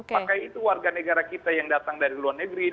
maka itu warga negara kita yang datang dari luar negeri